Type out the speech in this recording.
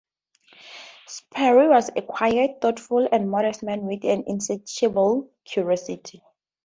Sperry was a quiet, thoughtful, and modest man with an insatiable curiosity.